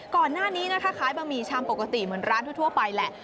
ก่อนหน้านี้นะคะขายบะหมี่ชามปกติเหมือนร้านทั่วไปแหละ